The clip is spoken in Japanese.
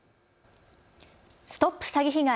ＳＴＯＰ詐欺被害！